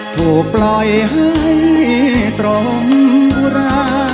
ถูกปล่อยให้ตรงอุรา